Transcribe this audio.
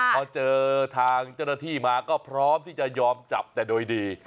พอเจอทางเจ้าหน้าที่มาก็พร้อมที่จะยอมจับแต่โดยดี